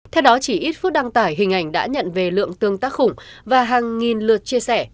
theo đó chỉ ít phút đăng tải hình ảnh đã nhận về lượng tương tác khủng và hàng nghìn lượt chia sẻ